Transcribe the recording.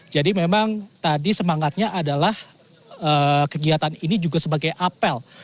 jadi memang tadi semangatnya adalah kegiatan ini juga sebagai apel